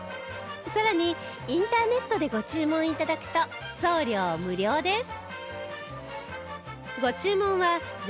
さらにインターネットでご注文頂くと送料無料です